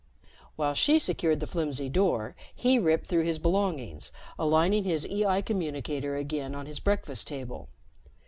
While she secured the flimsy door, he ripped through his belongings, aligning his EI communicator again on his breakfast table.